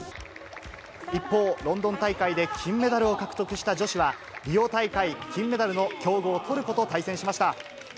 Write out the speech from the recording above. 一方、ロンドン大会で金メダルを獲得した女子は、リオ大会金メダルの強豪、トルコと対戦しました。